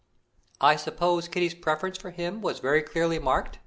"I suppose Kitty's preference for him was very clearly marked?"